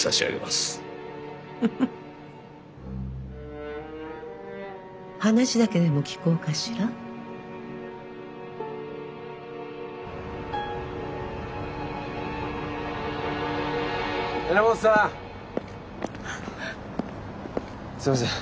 すいません。